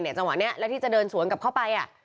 จังหวะนี้แล้วที่จะเดินสวนกลับเข้าไป